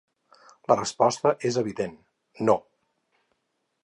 La resposta és evident: no.